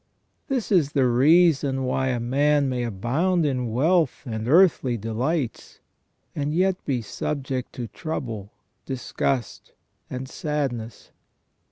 This is the reason why a man may abound in wealth and earthly delights, and yet be subject to trouble, disgust, and sadness.